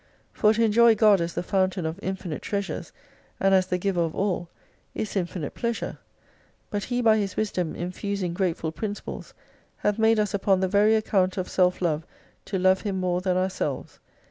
For to enjoy God as the fountain of infinite treasures, and as the giver of all, is infinite pleasure : but He by His wisdom infusing grateful principles, hath made us upon the very account of self love to love Him more than ourselves.